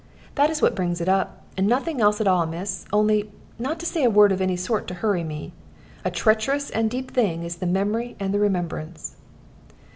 That is what brings it up, and nothing else at all, miss. Only, not to say a word of any sort to hurry me. A tracherous and a deep thing is the memory and the remembrance."